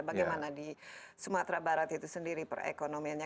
bagaimana di sumatera barat itu sendiri perekonomiannya